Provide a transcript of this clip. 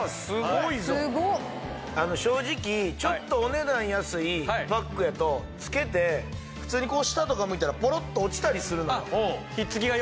正直ちょっとお値段安いパックやとつけて普通にこう下とか向いたらポロッと落ちたりするのよ。